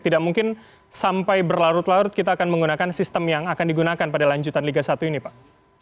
tidak mungkin sampai berlarut larut kita akan menggunakan sistem yang akan digunakan pada lanjutan liga satu ini pak